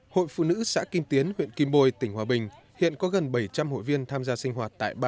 hội phụ nữ xã kim tiến huyện kim bôi tỉnh hòa bình hiện có gần bảy trăm linh hội viên tham gia sinh hoạt